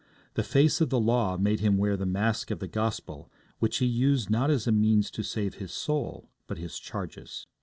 The face of the law made him wear the mask of the Gospel, which he used not as a means to save his soul, but his charges.'